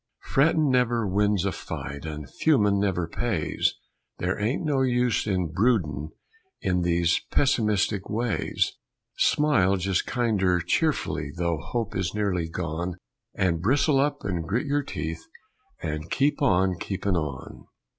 Frettin' never wins a fight And fumin' never pays; There ain't no use in broodin' In these pessimistic ways; Smile just kinder cheerfully Though hope is nearly gone, And bristle up and grit your teeth And keep on keepin' on.